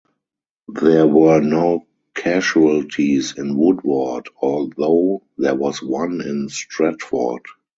There were no casualties in Woodward, although there was one in Stratford.